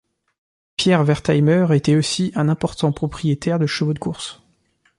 Pierre Wertheimer était aussi un important propriétaire de chevaux de course.